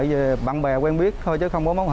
về bạn bè quen biết thôi chứ không có quan hệ